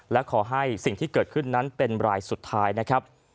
และขอให้สิ่งที่เกิดขึ้นนั้นเป็นรายสุดท้ายนะครับ